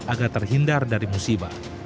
agar terhindar dari musibah